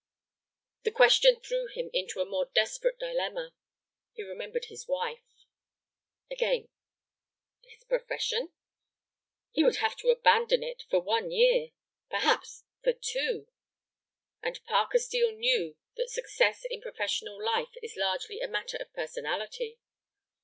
The question threw him into a more desperate dilemma. He remembered his wife. Again, his profession? He would have to abandon it for one year, perhaps for two. And Parker Steel knew that success in professional life is largely a matter of personality.